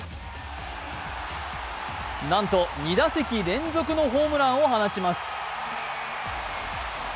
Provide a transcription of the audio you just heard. なんと２打席連続のホームランを放ちます。